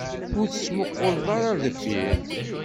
Ur tettmuqquleḍ ara ɣer deffir.